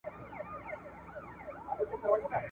چي شرنګی یې وو په ټوله محله کي !.